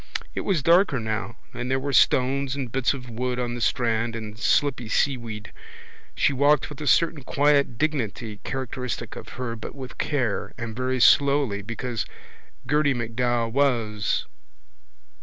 It was darker now and there were stones and bits of wood on the strand and slippy seaweed. She walked with a certain quiet dignity characteristic of her but with care and very slowly because—because Gerty MacDowell was...